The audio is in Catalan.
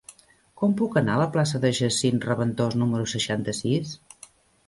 Com puc anar a la plaça de Jacint Reventós número seixanta-sis?